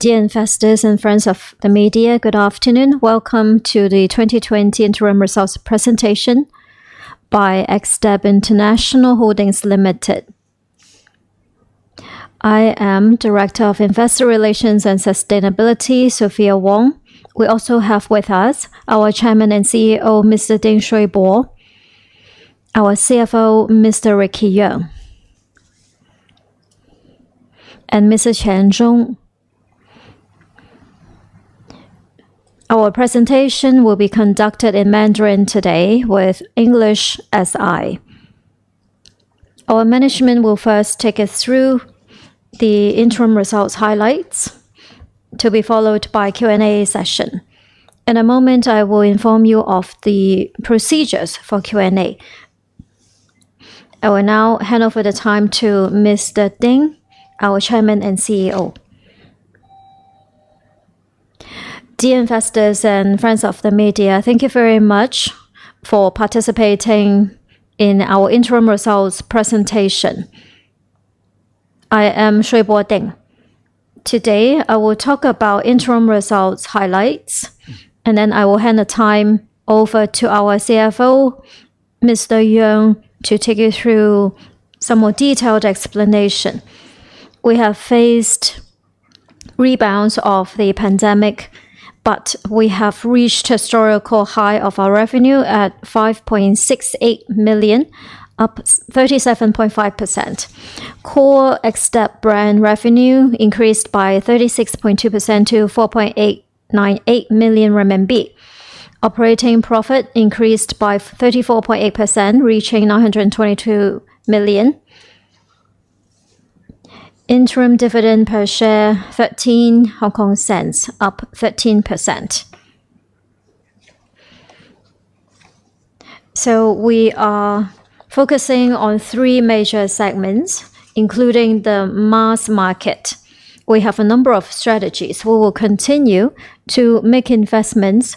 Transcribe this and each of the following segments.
Dear investors and friends of the media, good afternoon. Welcome to the 2020 interim results presentation by Xtep International Holdings Limited. I am Director of Investor Relations and Sustainability, Sophia Wong. We also have with us our Chairman and CEO, Mr. Ding Shuibo, our CFO, Mr. Ricky Yeung, and Mr. Chen Zhong. Our presentation will be conducted in Mandarin today with English SI. Our management will first take us through the interim results highlights to be followed by Q&A session. In a moment, I will inform you of the procedures for Q&A. I will now hand over the time to Mr. Ding, our Chairman and CEO. Dear investors and friends of the media, thank you very much for participating in our interim results presentation. I am Shuibo Ding. Today, I will talk about interim results highlights, and then I will hand the time over to our CFO, Mr. Yeung, to take you through some more detailed explanation. We have faced rebounds of the pandemic, but we have reached historical high of our revenue at 5.68 million, up 37.5%. Core Xtep brand revenue increased by 36.2% to 4.898 million RMB. Operating profit increased by 34.8%, reaching 922 million. Interim dividend per share 0.13, up 13%. We are focusing on three major segments, including the mass market. We have a number of strategies. We will continue to make investments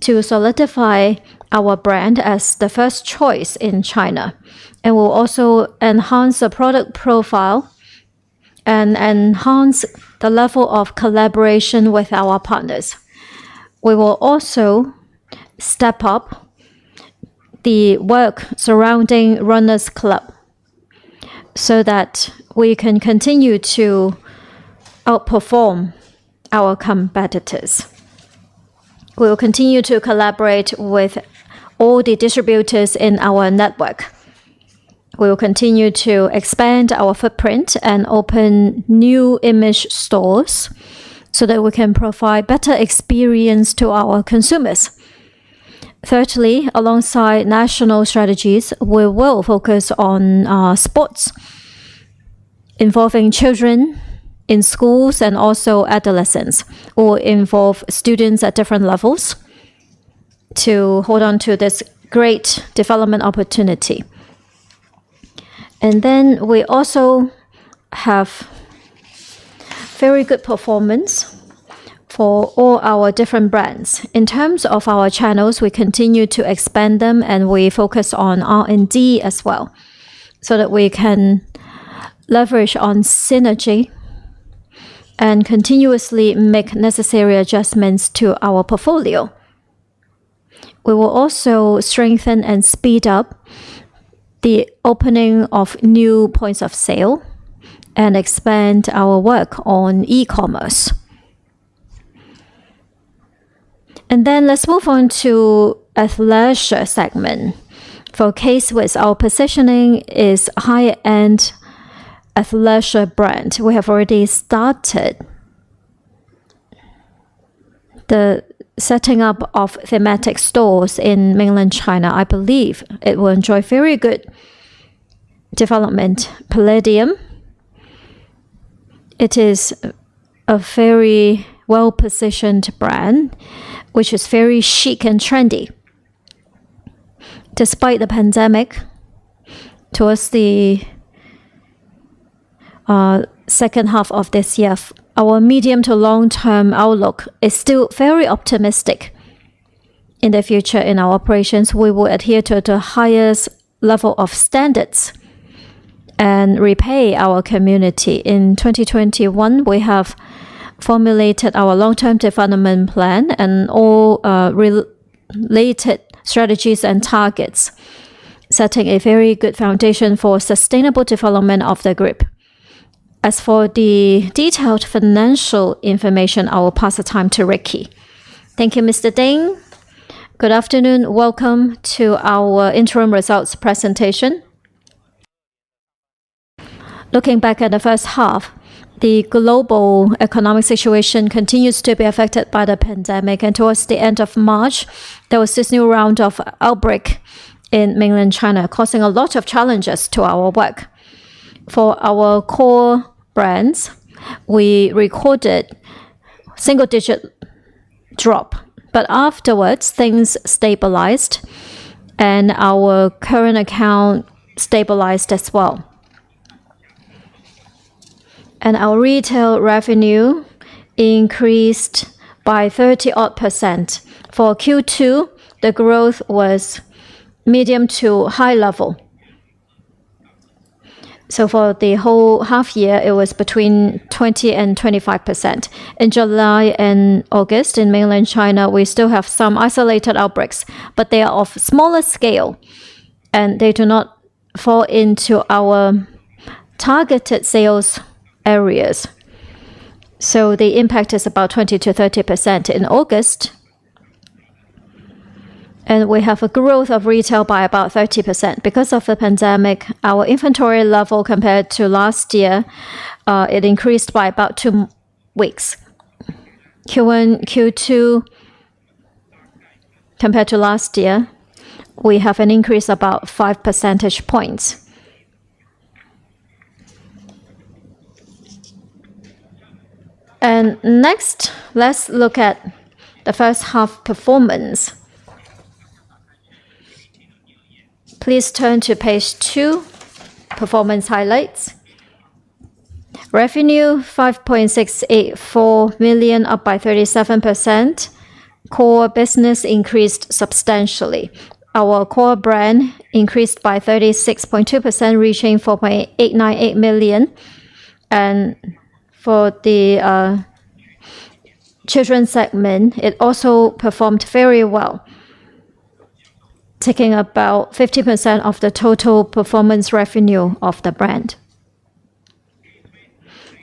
to solidify our brand as the first choice in China, and we'll also enhance the product profile and enhance the level of collaboration with our partners. We will also step up the work surrounding Running Club so that we can continue to outperform our competitors. We will continue to collaborate with all the distributors in our network. We will continue to expand our footprint and open new image stores so that we can provide better experience to our consumers. Thirdly, alongside national strategies, we will focus on sports involving children in schools and also adolescents. We'll involve students at different levels to hold on to this great development opportunity. We also have very good performance for all our different brands. In terms of our channels, we continue to expand them, and we focus on R&D as well, so that we can leverage on synergy and continuously make necessary adjustments to our portfolio. We will also strengthen and speed up the opening of new points of sale and expand our work on e-commerce. Let's move on to athleisure segment. For K-Swiss, our positioning is high-end athleisure brand. We have already started the setting up of thematic stores in mainland China. I believe it will enjoy very good development. Palladium, it is a very well-positioned brand, which is very chic and trendy. Despite the pandemic, towards the H2 of this year, our medium to long-term outlook is still very optimistic in the future. In our operations, we will adhere to the highest level of standards and repay our community. In 2021, we have formulated our long-term development plan and all related strategies and targets, setting a very good foundation for sustainable development of the group. As for the detailed financial information, I will pass the mic to Ricky. Thank you, Mr. Ding. Good afternoon. Welcome to our interim results presentation. Looking back at the H1, the global economic situation continues to be affected by the pandemic. Towards the end of March, there was this new round of outbreak in mainland China, causing a lot of challenges to our work. For our core brands, we recorded single-digit drop, but afterwards things stabilized and our current account stabilized as well. Our retail revenue increased by 30-odd%. For Q2, the growth was medium to high level. For the whole half year, it was between 20% and 25%. In July and August in mainland China, we still have some isolated outbreaks, but they are of smaller scale, and they do not fall into our targeted sales areas. The impact is about 20%-30% in August. We have a growth of retail by about 30%. Because of the pandemic, our inventory level compared to last year, it increased by about two weeks. Q1, Q2, compared to last year, we have an increase about 5 percentage points. Next, let's look at the H1 performance. Please turn to page two, performance highlights. Revenue 5.684 million, up by 37%. Core business increased substantially. Our core brand increased by 36.2%, reaching 4.898 million. For the children's segment, it also performed very well, taking about 50% of the total performance revenue of the brand.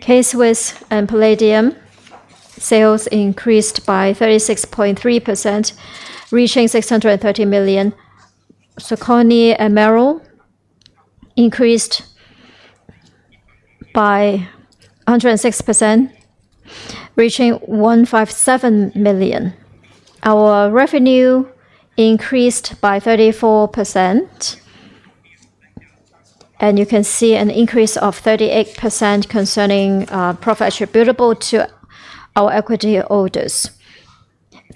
K-Swiss and Palladium sales increased by 36.3%, reaching CNY 630 million. Saucony and Merrell increased by 106%, reaching 157 million. Our revenue increased by 34%. You can see an increase of 38% concerning profit attributable to our equity holders.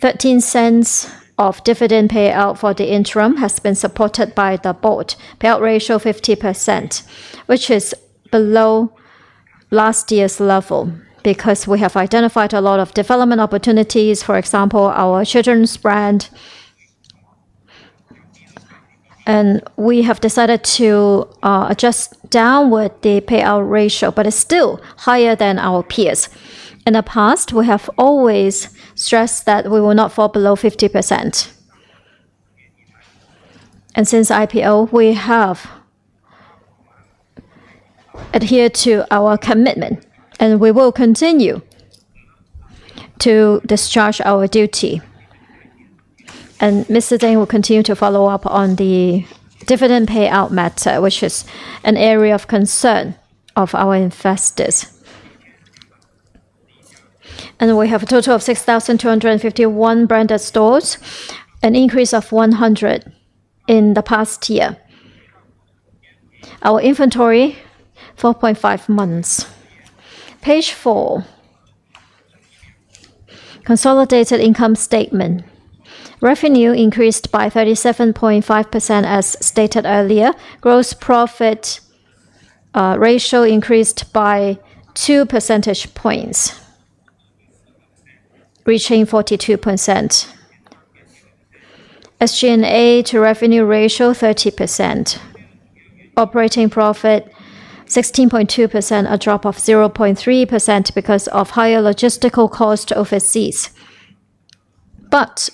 0.13 dividend payout for the interim has been supported by the board. Payout ratio 50%, which is below last year's level because we have identified a lot of development opportunities, for example, our children's brand. We have decided to adjust downward the payout ratio, but it's still higher than our peers. In the past, we have always stressed that we will not fall below 50%. Since IPO, we have adhered to our commitment, and we will continue to discharge our duty. Mr. Ding will continue to follow up on the dividend payout matter, which is an area of concern of our investors. We have a total of 6,251 branded stores, an increase of 100 in the past year. Our inventory, 4.5 months. Page four, consolidated income statement. Revenue increased by 37.5%, as stated earlier. Gross profit ratio increased by 2 percentage points, reaching 42%. SG&A to revenue ratio, 30%. Operating profit, 16.2%, a drop of 0.3% because of higher logistical cost overseas.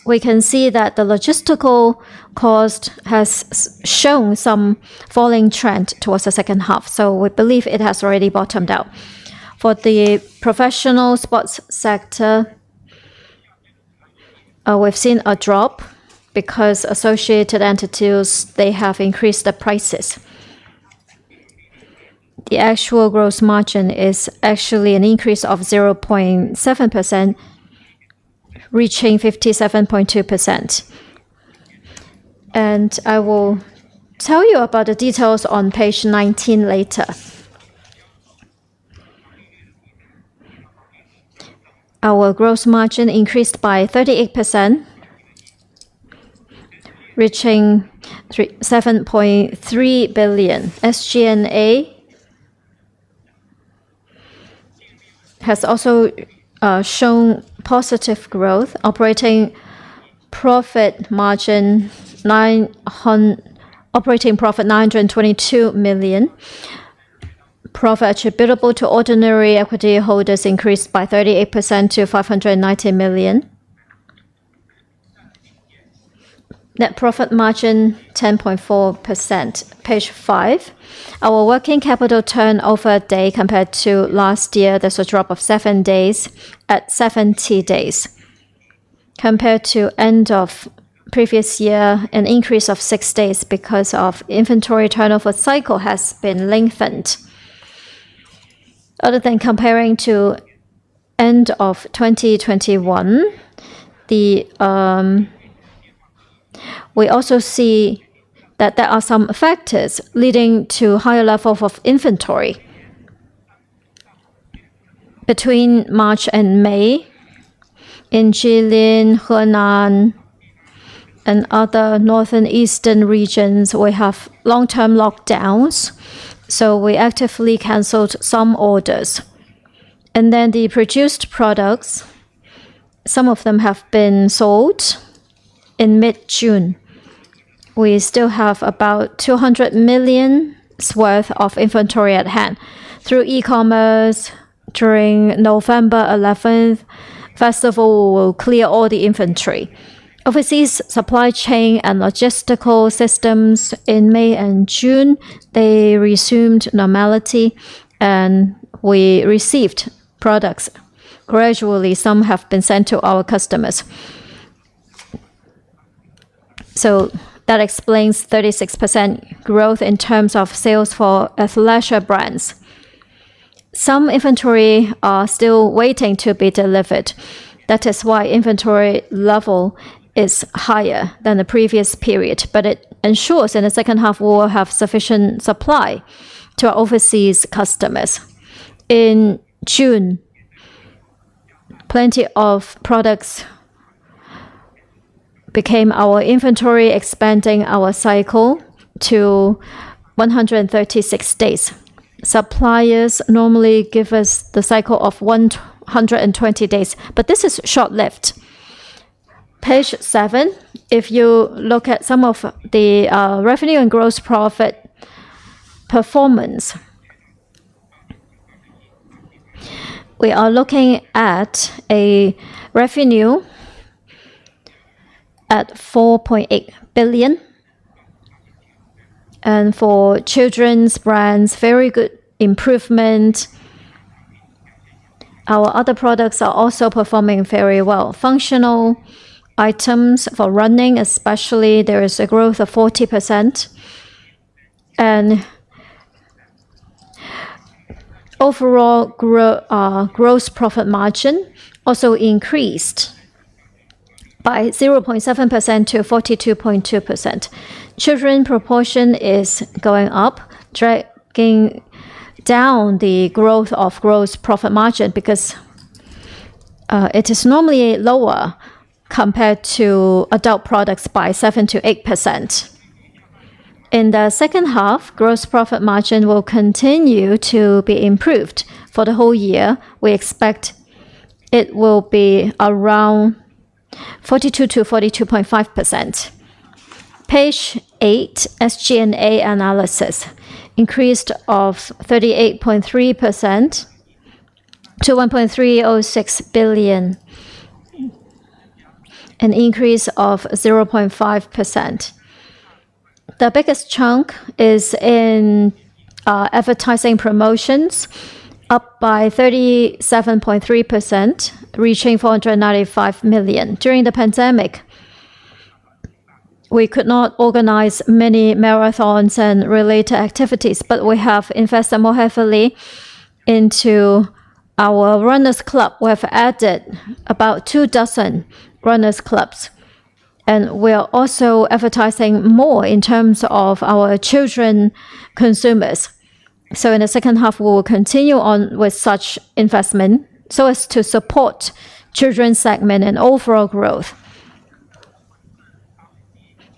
We can see that the logistical cost has shown some falling trend towards the H2, so we believe it has already bottomed out. For the professional sports sector, we've seen a drop because associated entities, they have increased the prices. The actual gross margin is actually an increase of 0.7%, reaching 57.2%. I will tell you about the details on Page 19 later. Our gross profit increased by 38%, reaching 37.3 billion. SG&A has also shown positive growth. Operating profit margin, nine hun... Operating profit, 922 million. Profit attributable to ordinary equity holders increased by 38% to 590 million. Net profit margin, 10.4%. Page five. Our working capital turnover days compared to last year, there's a drop of 7 days at 70 days. Compared to end of previous year, an increase of 6 days because of inventory turnover cycle has been lengthened. Other than comparing to end of 2021, we also see that there are some factors leading to higher level of inventory. Between March and May in Jilin, Henan, and other northeastern regions, we have long-term lockdowns, so we actively canceled some orders. The produced products, some of them have been sold in mid-June. We still have about 200 million worth of inventory at hand. Through e-commerce during November 11 festival, we'll clear all the inventory. Overseas supply chain and logistical systems in May and June, they resumed normality and we received products. Gradually, some have been sent to our customers. That explains 36% growth in terms of sales for athleisure brands. Some inventory are still waiting to be delivered. That is why inventory level is higher than the previous period. It ensures in the H2 we'll have sufficient supply to our overseas customers. In June, plenty of products became our inventory, expanding our cycle to 136 days. Suppliers normally give us the cycle of 120 days, but this is short-lived. Page seven, if you look at some of the revenue and gross profit performance. We are looking at a revenue at 4.8 billion. For children's brands, very good improvement. Our other products are also performing very well. Functional items for running especially, there is a growth of 40%. Overall gross profit margin also increased by 0.7% to 42.2%. Children's proportion is going up, dragging down the growth of gross profit margin because it is normally lower compared to adult products by 7%-8%. In the H2, gross profit margin will continue to be improved. For the whole year, we expect it will be around 42%-42.5%. Page eight, SG&A analysis increased by 38.3% to 1.306 billion. An increase of 0.5%. The biggest chunk is in advertising promotions, up by 37.3%, reaching 495 million. During the pandemic, we could not organize many marathons and related activities, but we have invested more heavily into our Running Club. We have added about 24 Running Clubs, and we are also advertising more in terms of our children consumers. In the H2, we will continue on with such investment so as to support children's segment and overall growth.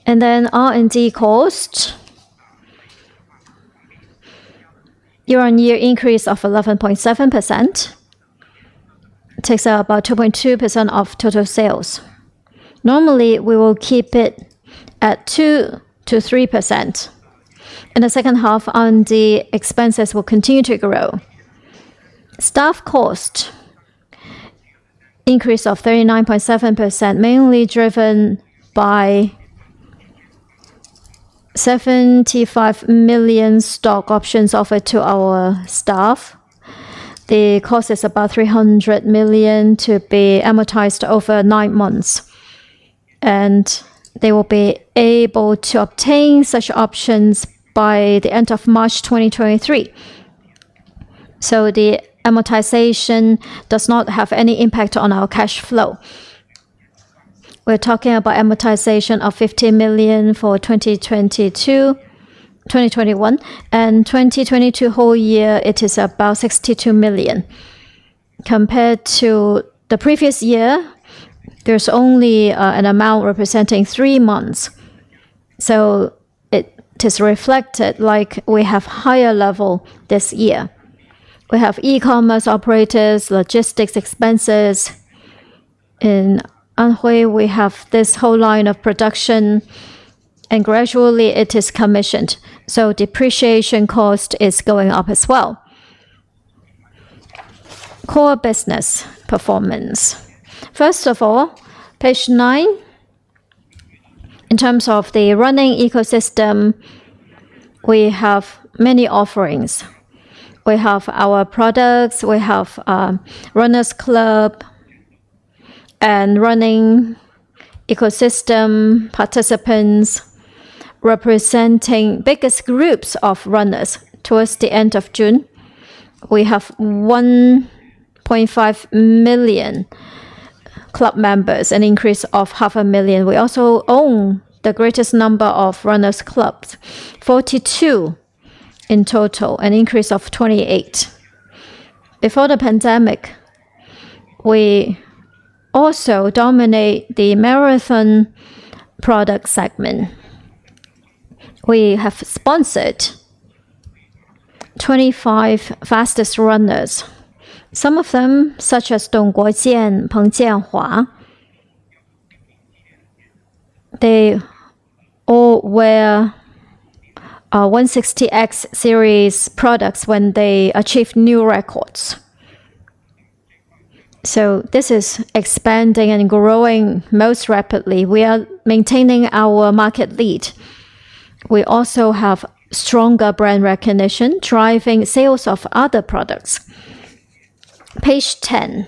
R&D cost. Year-on-year increase of 11.7%. Takes about 2.2% of total sales. Normally, we will keep it at 2%-3%. In the H2, R&D expenses will continue to grow. Staff cost increase of 39.7%, mainly driven by 75 million stock options offered to our staff. The cost is about 300 million to be amortized over nine months, and they will be able to obtain such options by the end of March 2023. The amortization does not have any impact on our cash flow. We're talking about amortization of 50 million for 2021. 2022 whole year, it is about 62 million. Compared to the previous year, there's only an amount representing three months, so it is reflected like we have higher level this year. We have e-commerce operating, logistics expenses. In Anhui, we have this whole line of production, and gradually it is commissioned, so depreciation cost is going up as well. Core business performance. First of all, page 9. In terms of the running ecosystem, we have many offerings. We have our products, we have Running Club and running ecosystem participants representing biggest groups of runners. Towards the end of June, we have 1.5 million club members, an increase of 0.5 million. We also own the greatest number of runners clubs, 42 in total, an increase of 28. Before the pandemic, we also dominate the marathon product segment. We have sponsored 25 fastest runners. Some of them, such as Dong Guojian, Peng Jianhua, they all wear 160X Series products when they achieve new records. This is expanding and growing most rapidly. We are maintaining our market lead. We also have stronger brand recognition, driving sales of other products. Page 10.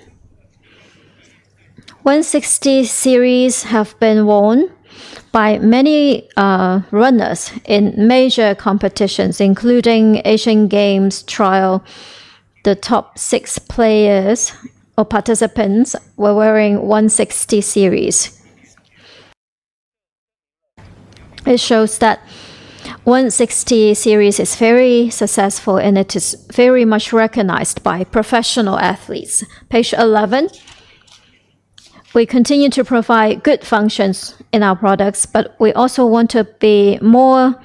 160X Series have been worn by many runners in major competitions, including Asian Games trial. The top six players or participants were wearing 160X Series. It shows that 160 Series is very successful, and it is very much recognized by professional athletes. Page 11. We continue to provide good functions in our products, but we also want to be more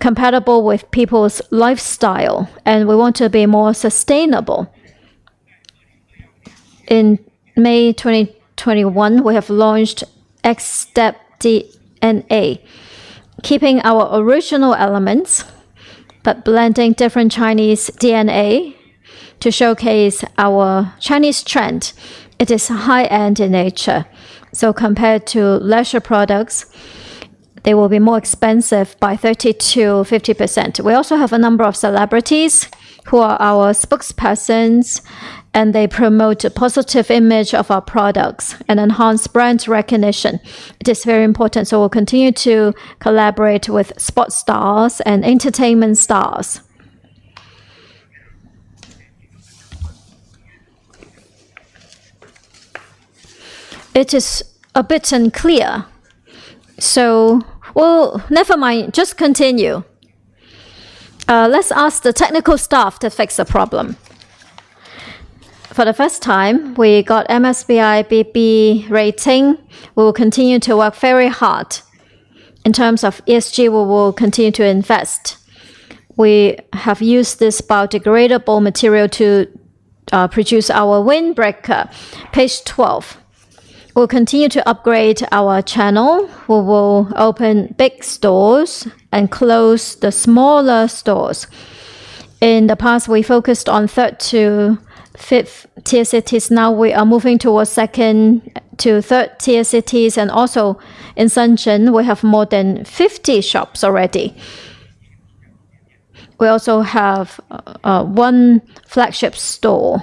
compatible with people's lifestyle, and we want to be more sustainable. In May 2021, we have launched Xtep DNA, keeping our original elements but blending different Chinese DNA to showcase our Chinese trend. It is high-end in nature. Compared to leisure products, they will be more expensive by 30%-50%. We also have a number of celebrities who are our spokespersons, and they promote a positive image of our products and enhance brand recognition. It is very important, so we'll continue to collaborate with sports stars and entertainment stars. It is a bit unclear. Let's ask the technical staff to fix the problem. For the first time, we got MSCI BB rating. We will continue to work very hard. In terms of ESG, we will continue to invest. We have used this biodegradable material to produce our windbreaker. Page twelve. We'll continue to upgrade our channel. We will open big stores and close the smaller stores. In the past, we focused on third to fifth-tier cities. Now we are moving towards second to third-tier cities. Also in Shenzhen, we have more than 50 shops already. We also have one flagship store.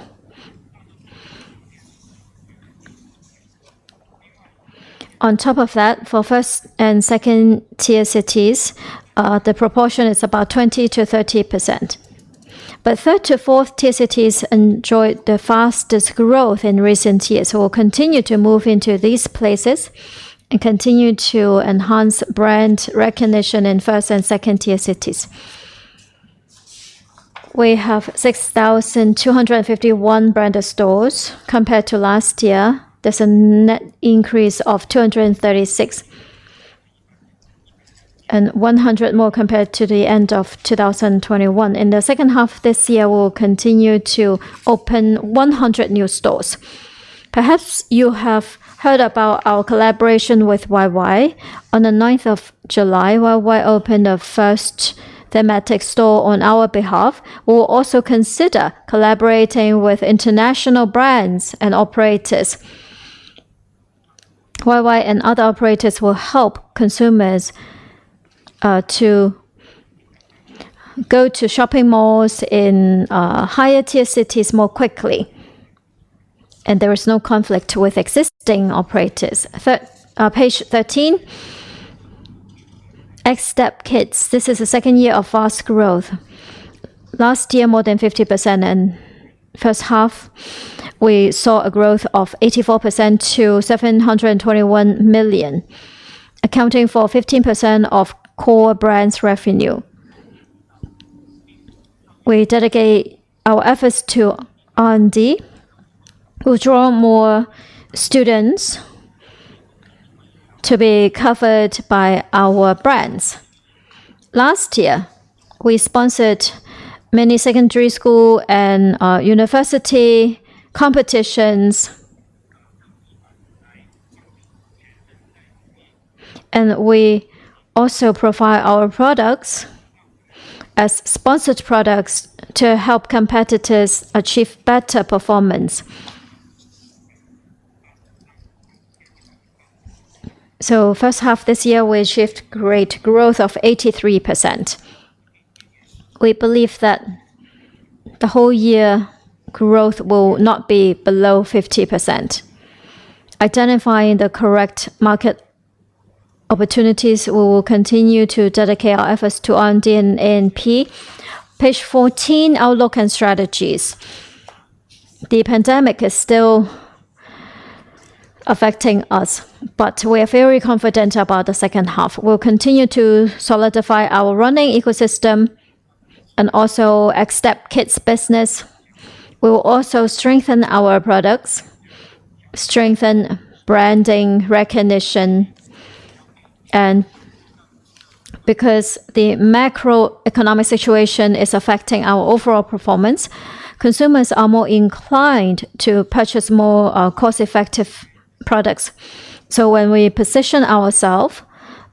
On top of that, for first and second-tier cities, the proportion is about 20%-30%. Third to fourth-tier cities enjoyed the fastest growth in recent years. We'll continue to move into these places and continue to enhance brand recognition in first and second-tier cities. We have 6,251 branded stores. Compared to last year, there's a net increase of 236, and 100 more compared to the end of 2021. In the H2 of this year, we'll continue to open 100 new stores. Perhaps you have heard about our collaboration with YY. On the ninth of July, YY opened the first thematic store on our behalf. We'll also consider collaborating with international brands and operators. YY and other operators will help consumers to go to shopping malls in higher-tier cities more quickly, and there is no conflict with existing operators. Page 13. Xtep Kids, this is the second year of fast growth. Last year, more than 50%, and H1, we saw a growth of 84% to 721 million, accounting for 15% of core brands revenue. We dedicate our efforts to R&D. We draw more students to be covered by our brands. Last year, we sponsored many secondary school and university competitions. We also provide our products as sponsored products to help competitors achieve better performance. H1 this year, we achieved great growth of 83%. We believe that the whole year growth will not be below 50%. Identifying the correct market opportunities, we will continue to dedicate our efforts to R&D and A&P. Page 14, outlook and strategies. The pandemic is still affecting us, but we're very confident about the H2. We'll continue to solidify our running ecosystem and also accelerate kids business. We will also strengthen our products, strengthen brand recognition. Because the macroeconomic situation is affecting our overall performance, consumers are more inclined to purchase more cost-effective products. When we position ourselves,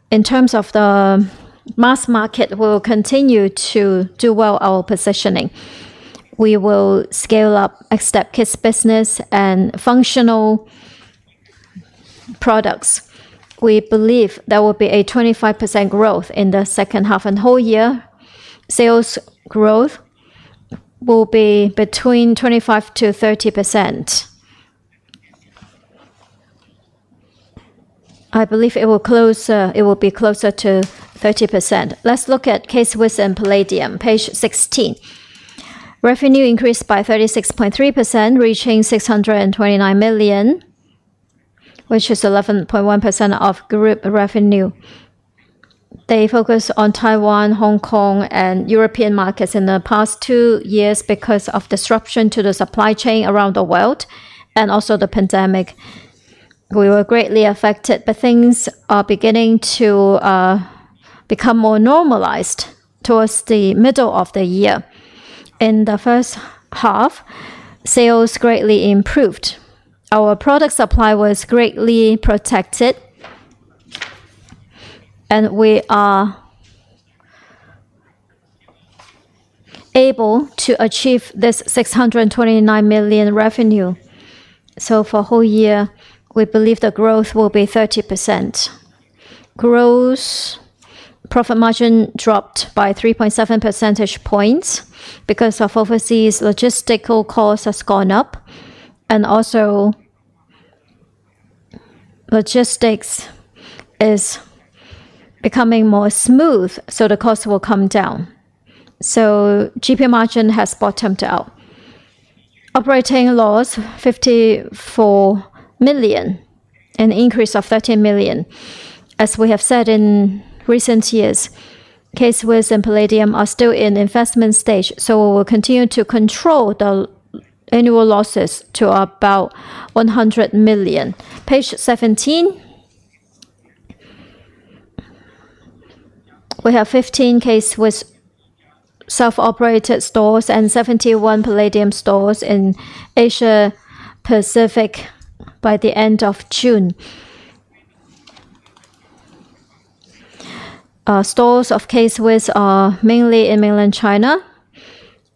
in terms of the mass market, we will continue to do well our positioning. We will scale up Xtep Kids business and functional products. We believe there will be a 25% growth in the H2, and whole year sales growth will be between 25%-30%. I believe it will close, it will be closer to 30%. Let's look at K-Swiss and Palladium. Page 16. Revenue increased by 36.3%, reaching 629 million, which is 11.1% of group revenue. They focus on Taiwan, Hong Kong, and European markets. In the past two years, because of disruption to the supply chain around the world, and also the pandemic, we were greatly affected. Things are beginning to become more normalized towards the middle of the year. In the H1, sales greatly improved. Our product supply was greatly protected, and we are able to achieve this 629 million revenue. For whole year, we believe the growth will be 30%. Gross profit margin dropped by 3.7 percentage points because of overseas logistical costs has gone up. Logistics is becoming more smooth, so the cost will come down. GP margin has bottomed out. Operating loss, 54 million, an increase of 13 million. As we have said in recent years, K-Swiss and Palladium are still in investment stage, so we will continue to control the annual losses to about 100 million. Page 17. We have 15 K-Swiss self-operated stores and 71 Palladium stores in Asia Pacific by the end of June. K-Swiss stores are mainly in mainland China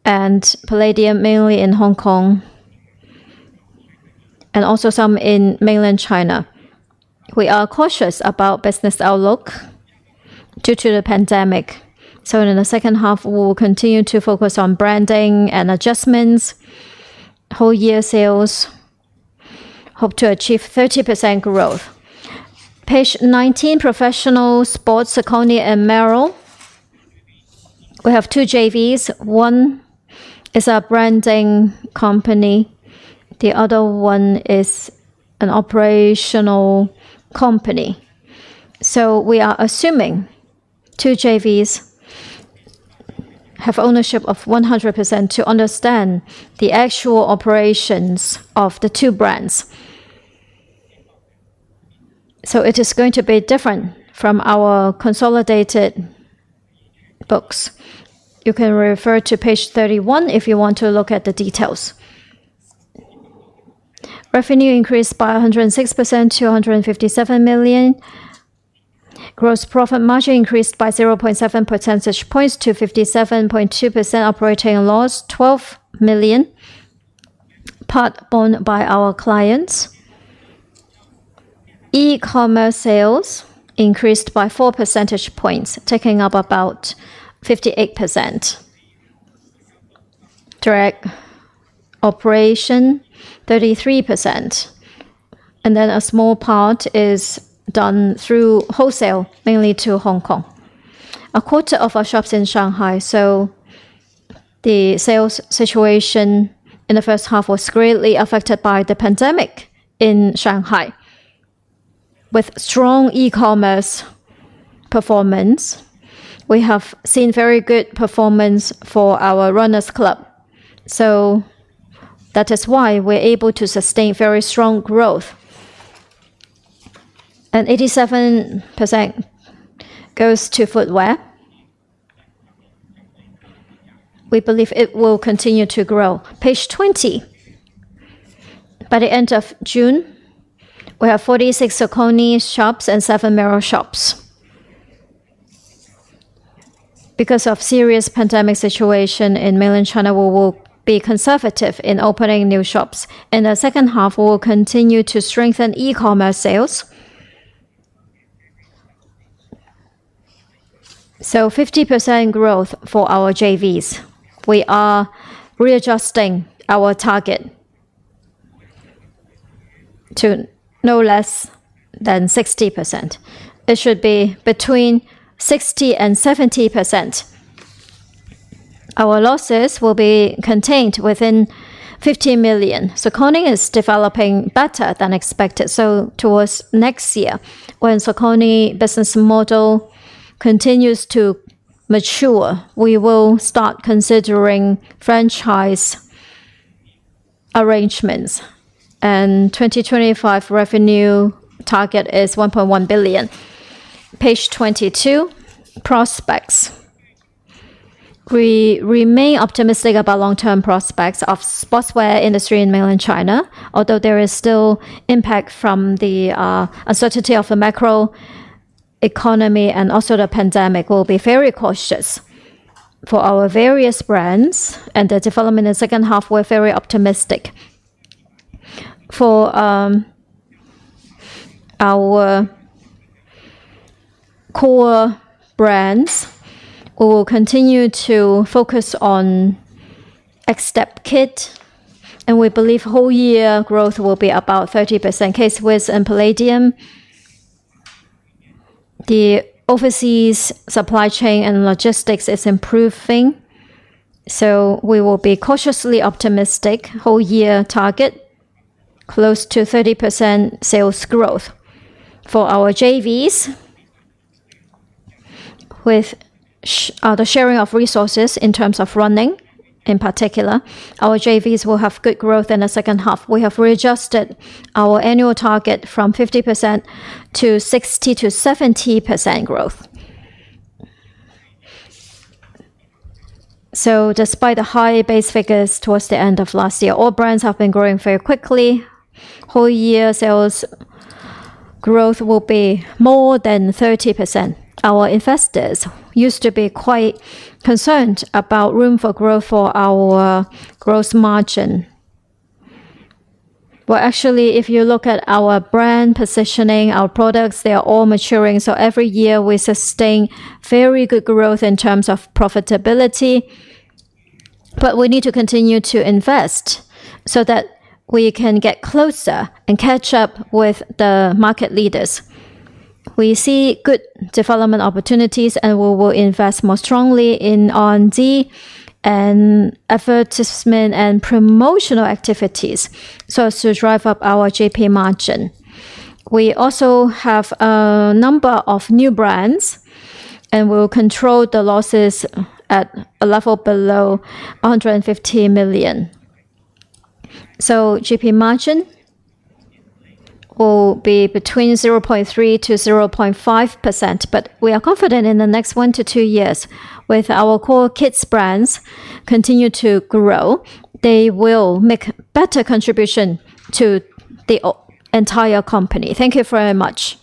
and Palladium mainly in Hong Kong, and also some in mainland China. We are cautious about business outlook due to the pandemic. In the H2, we will continue to focus on branding and adjustments. Whole year sales hope to achieve 30% growth. Page 19. Professional sports, Saucony and Merrell. We have two JVs. One is a branding company, the other one is an operational company. We are assuming two JVs have ownership of 100% to understand the actual operations of the two brands. It is going to be different from our consolidated books. You can refer to Page 31 if you want to look at the details. Revenue increased by 106% to 257 million. Gross profit margin increased by 0.7 percentage points to 57.2%. Operating loss, 12 million, part borne by our clients. E-commerce sales increased by 4 percentage points, taking up about 58%. Direct operation, 33%. A small part is done through wholesale, mainly to Hong Kong. A quarter of our shops in Shanghai, so the sales situation in the H1 was greatly affected by the pandemic in Shanghai. With strong e-commerce performance, we have seen very good performance for our Running Club. That is why we're able to sustain very strong growth. 87% goes to footwear. We believe it will continue to grow. Page 20. By the end of June, we have 46 Saucony shops and 7 Merrell shops. Because of serious pandemic situation in mainland China, we will be conservative in opening new shops. In the H2, we will continue to strengthen e-commerce sales. 50% growth for our JVs. We are readjusting our target to no less than 60%. It should be between 60% and 70%. Our losses will be contained within 50 million. Saucony is developing better than expected. Towards next year, when Saucony business model continues to mature, we will start considering franchise arrangements. 2025 revenue target is 1.1 billion. Page 22, prospects. We remain optimistic about long-term prospects of sportswear industry in Mainland China. Although there is still impact from the uncertainty of the macro economy and also the pandemic. We'll be very cautious. For our various brands and the development in the H2, we're very optimistic. For our core brands, we will continue to focus on Xtep, and we believe whole year growth will be about 30%. K-Swiss and Palladium, the overseas supply chain and logistics is improving, so we will be cautiously optimistic. Whole year target, close to 30% sales growth. For our JVs, with the sharing of resources in terms of running, in particular, our JVs will have good growth in the H2. We have readjusted our annual target from 50% to 60%-70% growth. Despite the high base figures towards the end of last year, all brands have been growing very quickly. Whole year sales growth will be more than 30%. Our investors used to be quite concerned about room for growth for our gross margin. Well, actually, if you look at our brand positioning, our products, they are all maturing. Every year we sustain very good growth in terms of profitability, but we need to continue to invest so that we can get closer and catch up with the market leaders. We see good development opportunities, and we will invest more strongly in R&D and advertisement and promotional activities so as to drive up our GP margin. We also have a number of new brands, and we'll control the losses at a level below 150 million. GP margin will be between 0.3%-0.5%. We are confident in the next 1-2 years, with our core kids brands continue to grow, they will make better contribution to the entire company. Thank you very much.